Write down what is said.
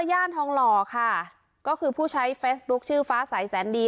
ย่านทองหล่อค่ะก็คือผู้ใช้เฟซบุ๊คชื่อฟ้าใสแสนดี